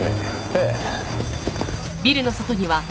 ええ。